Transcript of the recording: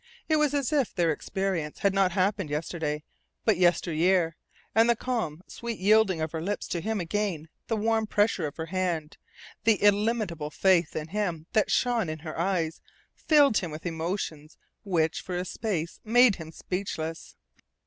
It was as if their experience had not happened yesterday, but yesteryear; and the calm, sweet yielding of her lips to him again, the warm pressure of her hand, the illimitable faith in him that shone in her eyes, filled him with emotions which for a space made him speechless.